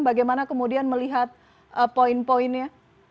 bagaimana kemudian melihat poin poinnya